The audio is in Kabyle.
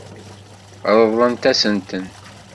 Ṛeḍlent-asent-ten.